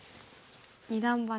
二段バネ。